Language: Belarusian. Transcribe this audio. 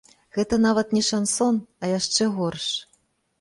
Гэта нават не шансон, а яшчэ горш!